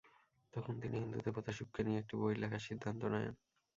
তখন তিনি হিন্দু দেবতা শিবকে নিয়ে একটি বই লেখার সিদ্ধান্ত নেন।